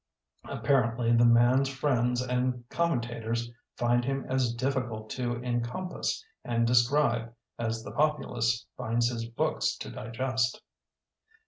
Apparently the man's friends and com mentators find him as difficult to en compass and describe as the populace finds his books to digest.